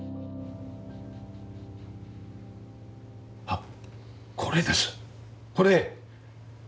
あっこれですこれ！